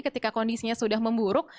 ketika kondisinya sudah memburuk